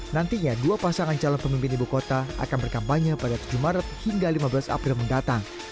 nantinya dua pasangan calon pemimpin ibu kota akan berkampanye pada tujuh maret hingga lima belas april mendatang